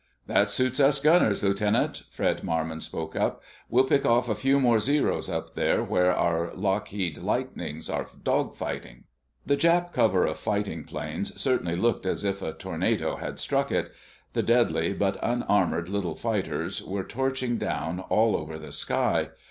"That suits us gunners, Lieutenant," Fred Marmon spoke up. "We'll pick off a few more Zeros up there where our Lockheed Lightnings are dogfighting." The Jap "cover" of fighting planes certainly looked as if a tornado had struck it. The deadly but unarmored little fighters were torching down all over the sky.